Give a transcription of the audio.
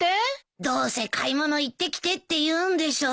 どうせ買い物行ってきてって言うんでしょ？